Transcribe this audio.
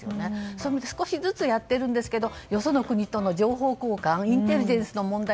そういう意味で少しずつやっているんですけどよその国との情報交換インテリジェンスの問題